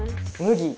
麦。